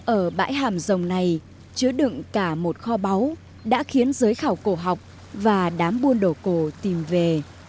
ở bãi hàm rồng này chứa đựng cả một kho báu đã khiến giới khảo cổ học và đám buôn đồ cổ tìm về